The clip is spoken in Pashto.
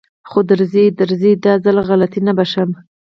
خو درځي درځي دا ځل غلطي نه بښم.